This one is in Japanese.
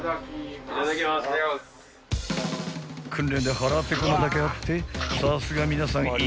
［訓練で腹ぺこなだけあってさすが皆さん